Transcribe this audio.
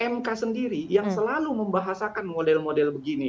mk sendiri yang selalu membahasakan model model begini